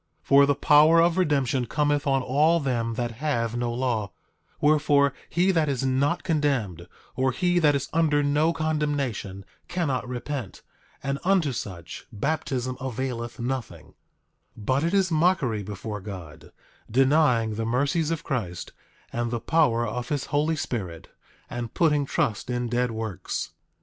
For the power of redemption cometh on all them that have no law; wherefore, he that is not condemned, or he that is under no condemnation, cannot repent; and unto such baptism availeth nothing— 8:23 But it is mockery before God, denying the mercies of Christ, and the power of his Holy Spirit, and putting trust in dead works.